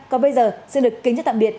còn bây giờ xin được kính chào tạm biệt